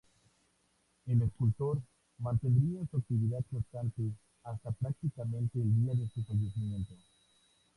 El escultor mantendría su actividad constante hasta prácticamente el día de su fallecimiento.